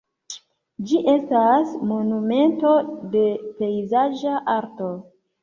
Ĝi estas monumento de pejzaĝa arto.